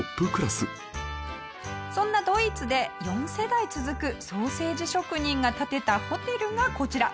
そんなドイツで４世代続くソーセージ職人が建てたホテルがこちら。